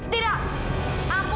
mengalahkan seekor kerbau